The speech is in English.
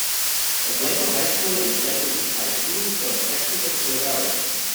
Weslaco High School and Weslaco East High School serve sections of Olivarez.